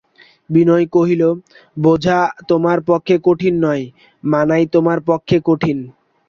বিনয় কহিল, বোঝা তোমার পক্ষে কঠিন নয়, মানাই তোমার পক্ষে কঠিন।